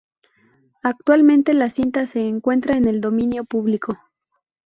Actualmente la cinta se encuentra en el dominio público.